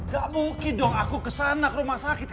gak mungkin dong aku kesana ke rumah sakit